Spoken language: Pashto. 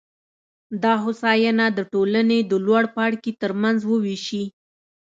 دا هوساینه د ټولنې د لوړپاړکي ترمنځ ووېشي.